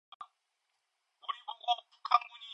정근은 그제야 영신의 얼굴을 똑바로 쳐다볼 만치 용기를 내었다.